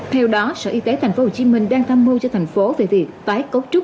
theo đó sở y tế thành phố hồ chí minh đang tham mưu cho thành phố về việc tái cấu trúc